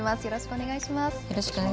よろしくお願いします。